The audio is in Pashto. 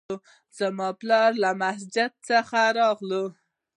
زما پلار له جومات څخه راځي